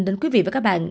đến quý vị và các bạn